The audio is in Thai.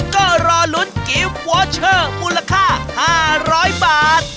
ก็รอลุ้นกิฟต์วอเชอร์มูลค่า๕๐๐บาท